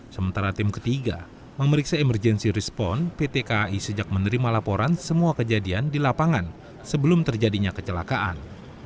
sementara tim ketiga memeriksa emergency response pt kai sejak menerima laporan semua kejadian di lapangan sebelum terjadinya kecelakaan